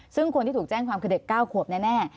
ซึ่งคนที่ถูกแจ้งความคือเด็ก๙ขวบแน่